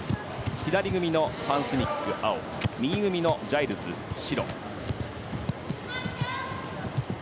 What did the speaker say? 左組みのファン・スニック、青右組みのジャイルズ、白。